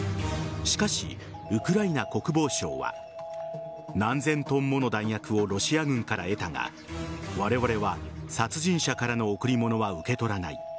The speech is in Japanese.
しかし、ウクライナ国防省は何千ｔもの弾薬をロシア軍から得たがわれわれは殺人者からの贈り物は受け取らない。